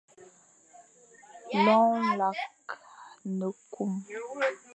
Loñ nlakh ne-koom.